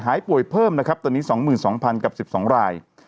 หายป่วยเพิ่มนะครับตอนนี้สองหมื่นสองพันกับสิบสองราย